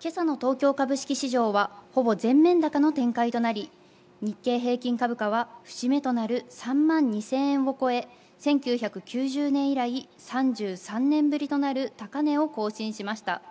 今朝の東京株式市場はほぼ全面高の展開となり、日経平均株価は節目となる３万２０００円を超え、１９９０年以来３３年ぶりとなる高値を更新しました。